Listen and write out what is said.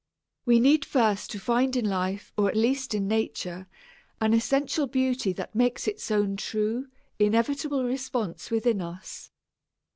We need first to find in life, or at least in nature, an essential beauty that makes its own true, inevitable response within us.